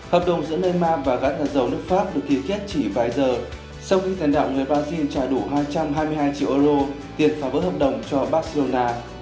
hợp đồng giữa neymar và gắn hạt dầu nước pháp được ký kết chỉ vài giờ sau khi tiền đạo người brazil trả đủ hai trăm hai mươi hai triệu euro tiền phá vỡ hợp đồng cho barcelona